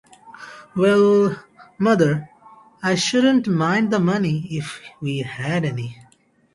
Well, mother, I shouldn’t mind the money if we had any.